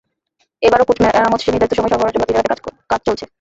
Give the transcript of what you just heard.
এবারও কোচ মেরামত শেষে নির্ধারিত সময়ে সরবরাহের জন্য দিনে-রাতে কাজ চলছে।